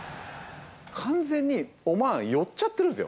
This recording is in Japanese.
完全にオマーン、寄っちゃってるんですよ。